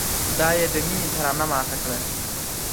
دا يې د ميــــني تـرانـــه ماته كــړه-